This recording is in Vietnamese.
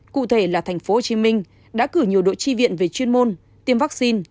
cụ thể là tp hcm đã cử nhiều đội tri viện về chuyên môn tiêm vaccine